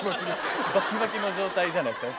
バキバキの状態じゃないですかね